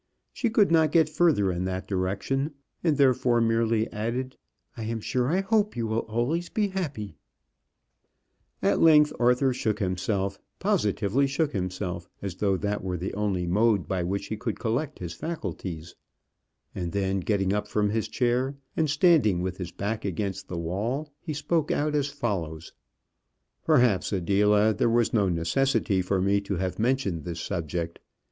She could not get further in that direction, and therefore merely added: "I am sure I hope you will always be happy." At length Arthur shook himself, positively shook himself, as though that were the only mode by which he could collect his faculties; and then getting up from his chair, and standing with his back against the wall, he spoke out as follows: "Perhaps, Adela, there was no necessity for me to have mentioned this subject.